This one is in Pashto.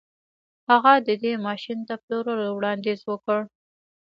هغه د دې ماشين د پلورلو وړانديز وکړ.